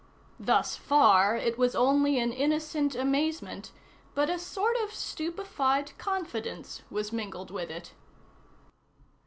Thus far it was only an innocent amazement, but a sort of stupefied confidence was mingled with it.